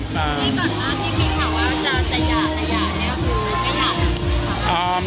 นี่ก่อนมาพี่คิดค่ะว่าจะอยากจะอยากเนี่ยคือไม่อยากจะอยากนะครับ